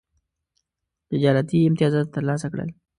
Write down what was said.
تجارتي امتیازات ترلاسه کړل.